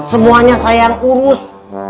semuanya saya yang urus